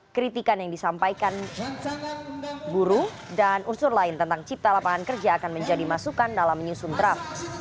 kritikan yang disampaikan buruh dan unsur lain tentang cipta lapangan kerja akan menjadi masukan dalam menyusun draft